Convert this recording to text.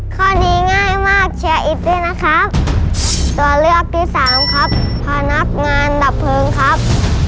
ข้อนี้ง่ายมากเชียร์อิดด้วยนะครับตัวเลือกที่สามครับพนักงานดับเพลิงครับ